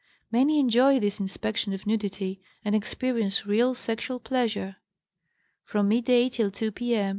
Many enjoy this inspection of nudity, and experience real sexual pleasure. From midday till 2 P.M.